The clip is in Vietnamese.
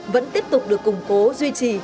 vẫn tiếp tục được củng cố duy trì